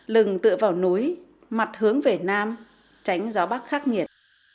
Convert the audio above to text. lừng tựa vào núi mặt hướng về nam tránh gió bắc khắc nghiệt